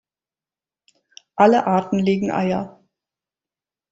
Alle Arten legen Eier.